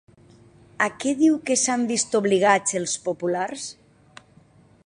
A què diu que s'han vist obligats els populars?